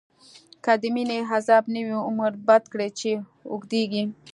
که دمينی عذاب نه وی، عمر بد کړی چی اوږديږی